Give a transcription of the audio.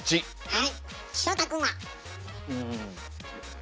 はい。